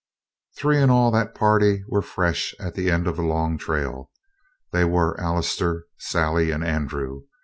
Three in all that party were fresh at the end of the long trail. They were Allister, Sally, and Andrew.